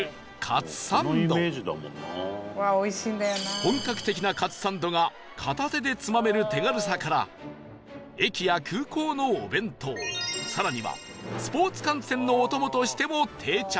本格的なかつサンドが片手でつまめる手軽さから駅や空港のお弁当更にはスポーツ観戦のお供としても定着